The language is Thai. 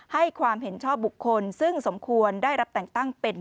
ให้ความเห็นชอบบุคคลซึ่งสมควรได้รับแต่งตั้งเป็น